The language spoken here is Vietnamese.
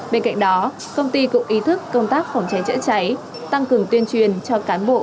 bên cạnh đó công ty cũng ý thức công tác phòng cháy chữa cháy tăng cường tuyên truyền cho cán bộ